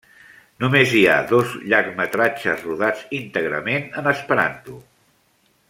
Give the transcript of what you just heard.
Només hi ha dos llargmetratges rodats íntegrament en esperanto.